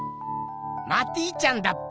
マティちゃんだっぺ。